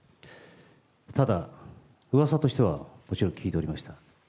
ただ、うわさとしてはもちろん聞いておりました。